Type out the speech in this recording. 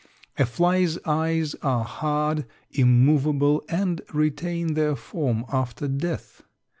A fly's eyes are hard, immovable and retain their form after death.